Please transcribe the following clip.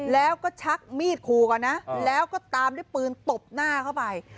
แล้วก็ชักมีดขู่ก่อนนะแล้วก็ตามด้วยปืนตบหน้าเข้าไป